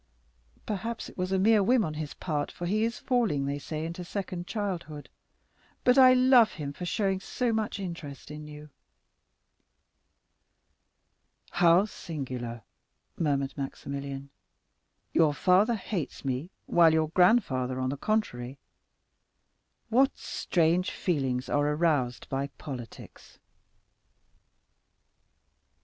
Perhaps it was a mere whim on his part, for he is falling, they say, into second childhood, but I love him for showing so much interest in you." "How singular," murmured Maximilian; "your father hates me, while your grandfather, on the contrary—What strange feelings are aroused by politics."